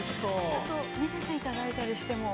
◆ちょっと見せていただいたりしても？